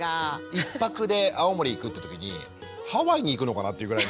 １泊で青森行くって時にハワイに行くのかなっていうぐらいの。